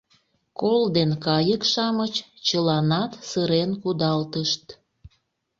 — кол ден кайык-шамыч чыланат сырен кудалтышт.